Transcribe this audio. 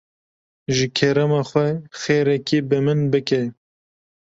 Ji kerema xwe xêrekê bi min bike.